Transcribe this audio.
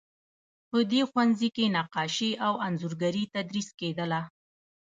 په دې ښوونځي کې نقاشي او انځورګري تدریس کیدله.